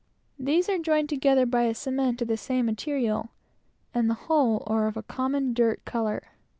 These are cemented together by mortar of the same material, and the whole are of a common dirt color.